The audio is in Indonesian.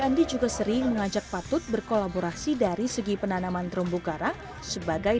andi juga sering mengajak patut berkolaborasi dari segi penanaman terumbu karang sebagai